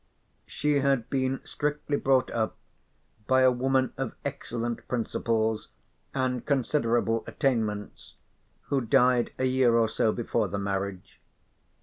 She had been strictly brought up by a woman of excellent principles and considerable attainments, who died a year or so before the marriage.